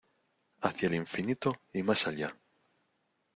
¡ Hacia el infinito y más allá!